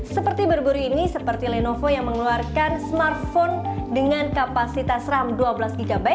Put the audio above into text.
seperti berburu ini seperti lenovo yang mengeluarkan smartphone dengan kapasitas ram dua belas gb